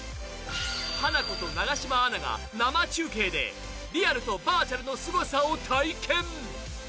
ハナコと永島アナが生中継でリアルとバーチャルのすごさを体験。